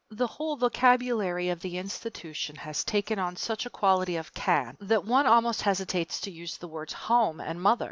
The whole vocabulary of the institution has taken on such a quality of cant, that one almost hesitates to use the words "home" and "mother"!